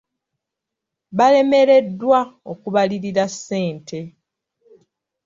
Baalemereddwa okubalirira ssente.